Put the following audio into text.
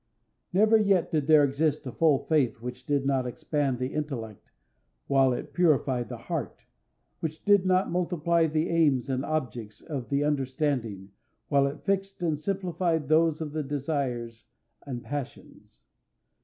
Never yet did there exist a full faith which did not expand the intellect while it purified the heart, which did not multiply the aims and objects of the understanding while it fixed and simplified those of the desires and passions.